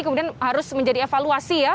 kemudian harus menjadi evaluasi ya